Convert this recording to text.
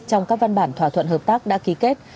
trong các văn bản thỏa thuận hợp tác đã ký kết